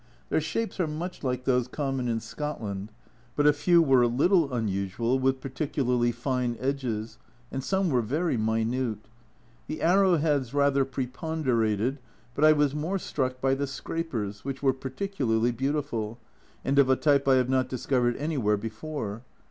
Their shapes are much like those common in Scotland, but a few were a little unusual with particularly fine edges, and some were very minute. The arrowheads rather preponderated, but I was more struck by the scrapers, which were par ticularly beautiful, and of a type I have not discovered anywhere before.